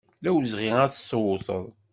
D awezɣi ad t-tewteḍ.